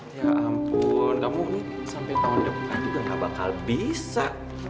ya ampun kamu sampai tahun depan juga gak bakal bisa